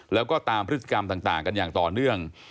แล้วก็ตามพฤติกรรมต่างกันอย่างต่อเนื่อง